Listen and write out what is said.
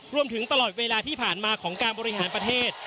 ตลอดเวลาที่ผ่านมาของการบริหารประเทศ